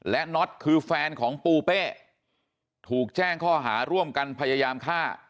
และน็อตคือแฟนของปูเป้ถูกแจ้งข้อหาร่วมกันพยายามฆ่า